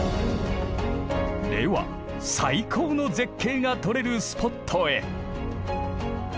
では最高の絶景が撮れるスポットへ。